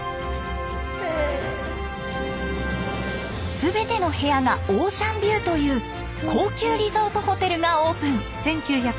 全ての部屋がオーシャンビューという高級リゾートホテルがオープン。